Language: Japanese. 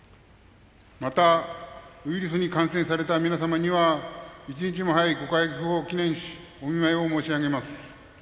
また、ウイルスに感染された皆様には一日も早いご回復を祈念しお見舞いを申し上げます。